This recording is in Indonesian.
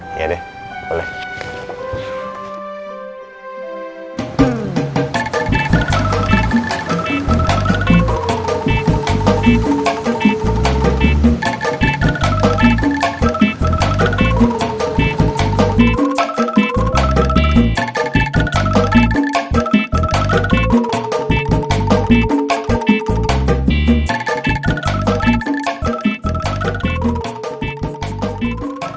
iya deh boleh